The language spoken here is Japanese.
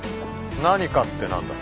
何かって何だ？